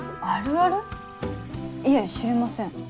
いえ知りません。